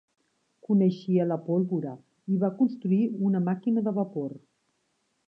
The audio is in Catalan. Coneixia la pólvora i va construir una màquina de vapor.